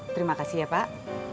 terima kasih ya pak